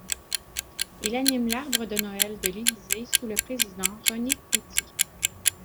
Il anime l'arbre de Noël de l'Élysée sous le président René Coty.